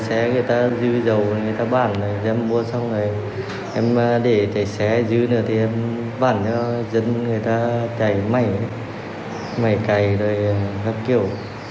xe người ta dư dầu người ta bản rồi em mua xong rồi em để xe dư nữa thì em bản cho dân người ta chảy mảy mảy cải rồi các kiểu